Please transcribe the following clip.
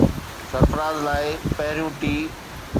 سرفراز لاءِ پهريون ٽي